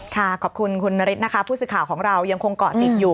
ขอบคุณคุณนฤทธินะคะผู้สื่อข่าวของเรายังคงเกาะติดอยู่